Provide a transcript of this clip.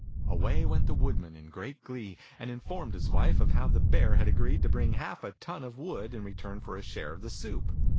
Away went the woodman in great glee, and informed his wife of how the bear had agreed to bring half a ton of wood in return for a share of the soup.